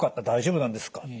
大丈夫なんですか？